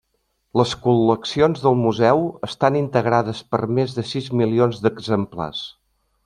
Les col·leccions del Museu estan integrades per més de sis milions d'exemplars.